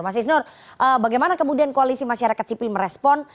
mas isnur bagaimana kemudian koalisi masyarakat sipil merespon